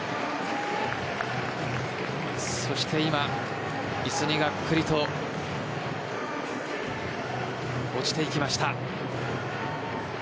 そして今椅子にガックリと落ちていきました。